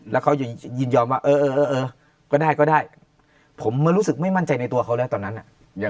แล้วเขายืนยอมว่าเออก็ได้ผมมันรู้สึกไม่มั่นใจในตัวเขาแล้วตอนนั้นอ่ะ